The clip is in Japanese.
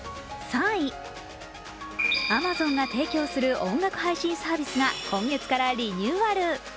アマゾンが提供する音楽配信サービスが今月からリニューアル。